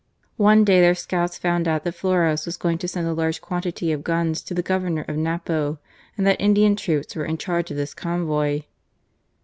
One day their scouts found out that Flores was going to send a large quantity of guns to the Governor of Napo, and that Indian troops were in charge of this convoy.